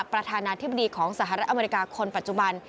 ประธานาธิบดีของสหรัฐอเมริกาคนปัจจุบัน